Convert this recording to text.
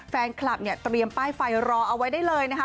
แฟนคลับเนี่ยเตรียมป้ายไฟรอเอาไว้ได้เลยนะคะ